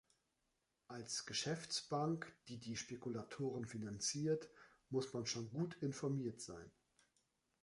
Als Geschäftsbank, die die Spekulatoren finanziert, muss man schon gut informiert sein!